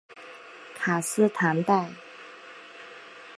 卡斯唐代。